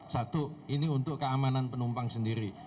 satu ini untuk keamanan penumpang sendiri